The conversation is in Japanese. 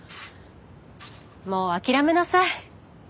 もう諦めなさい。